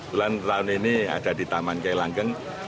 bulan tahun ini ada di taman kailangkeng